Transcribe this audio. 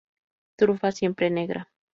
Trufa siempre negra".